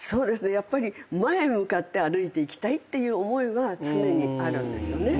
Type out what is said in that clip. やっぱり前向かって歩いていきたいっていう思いは常にあるんですよね。